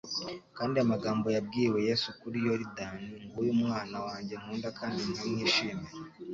Kandi amagambo yabwiwe Yesu kuri Yoridani, ''Nguyu umwana wanjye nkunda kandi nkamwishimira,